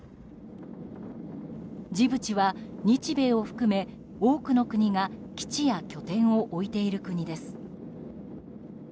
ジブチは日米を含め、多くの国が基地や拠点を置いている国です。